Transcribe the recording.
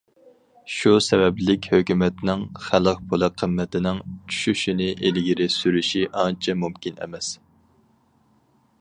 شۇ سەۋەبلىك ھۆكۈمەتنىڭ خەلق پۇلى قىممىتىنىڭ چۈشۈشىنى ئىلگىرى سۈرۈشى ئانچە مۇمكىن ئەمەس.